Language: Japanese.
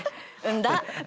んだ。